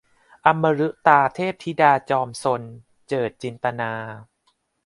อมฤตาเทพธิดาจอมซน - เจิด จินตนา